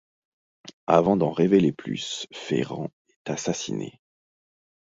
Avant d'en révéler plus, Ferrand est assassiné.